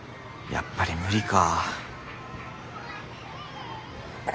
やっぱり無理か。